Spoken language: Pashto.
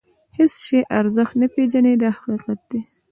د هېڅ شي ارزښت نه پېژني دا حقیقت دی.